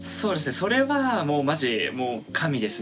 それはもうまじもう神ですね。